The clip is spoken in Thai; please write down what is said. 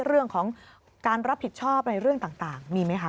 เรื่องของการรับผิดชอบในเรื่องต่างมีไหมคะ